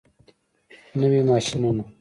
نوي ماشینونه.